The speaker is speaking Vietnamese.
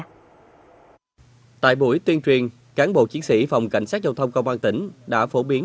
tại buổi tuyên truyền cán bộ chiến sĩ phòng cảnh sát giao thông công an tỉnh đã phổ biến